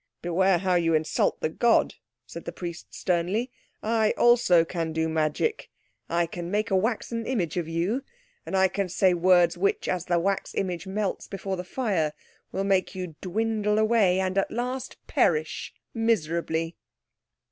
"Beware how you insult the god," said the priest sternly. "I also can do magic. I can make a waxen image of you, and I can say words which, as the wax image melts before the fire, will make you dwindle away and at last perish miserably."